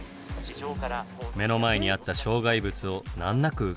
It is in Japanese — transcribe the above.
目の前にあった障害物を難なく迂回しました。